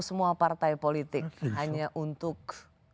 semua partai politik hanya untuk